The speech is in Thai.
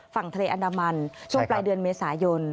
ฝั่งทะเลอันดามันช่วงปลายเดือนเมษายน